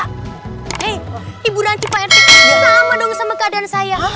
hei ibu nanti pak rt sama dong sama keadaan saya